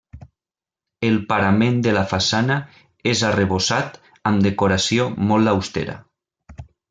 El parament de la façana és arrebossat amb decoració molt austera.